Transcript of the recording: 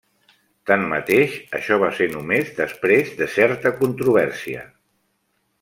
Tanmateix, això va ser només després de certa controvèrsia.